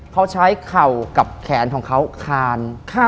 เขาใช้เข่ากับแขนของเขาคาน